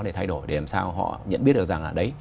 để thay đổi để làm sao họ nhận biết được rằng là đấy